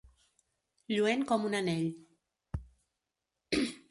Lluent com un anell.